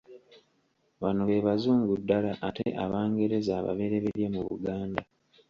Bano be Bazungu ddala ate Abangereza ababeryeberye mu Buganda.